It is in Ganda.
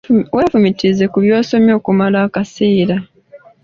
Weefumiitirize ku by'osomye okumala akaseera.